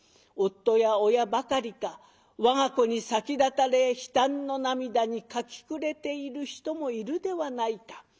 夫や親ばかりか我が子に先立たれ悲嘆の涙にかき暮れている人もいるではないか。